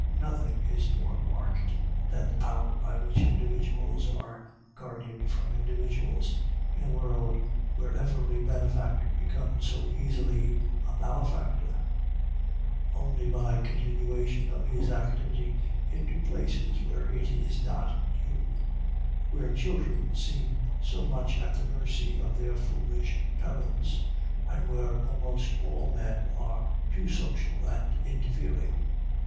Nothing is more marked than the power by which individuals are guarded from individuals, in a world where every benefactor becomes so easily a malefactor, only by continuation of his activity into places where it is not due; where children seem so much at the mercy of their foolish parents, and where almost all men are too social and interfering.